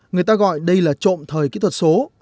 người ta gọi đây là trộm thời kỹ thuật số